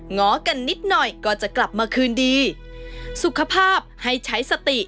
ง้อกันนิดหน่อยก็จะกลับมาคืนดีสุขภาพให้ใช้สติ